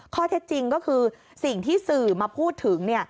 ข้อเท็จจริงก็คือสิ่งที่สื่อมาพูดถึง